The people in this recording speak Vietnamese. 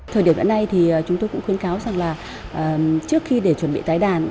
thời điểm đã nay thì chúng tôi cũng khuyến cáo rằng là trước khi để chuẩn bị tái đàn